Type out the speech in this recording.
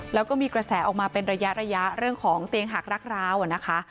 แล้วก็มีกระแสออกมาเป็นระยะเรื่องของเตียงหักรักร้าวนะคะ